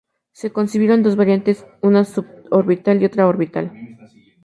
Se concibieron dos variantes, una suborbital y otra orbital.